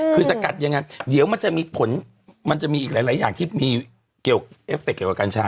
คือสกัดอย่างนั้นเดี๋ยวมันจะมีผลมันจะมีอีกหลายอย่างที่มีเอฟเต็กต์เกี่ยวกับกัญชา